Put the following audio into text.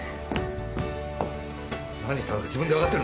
何したのか自分で分かってるんだろうな！